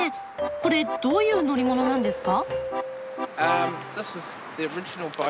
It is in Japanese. これどういう乗り物なんですか？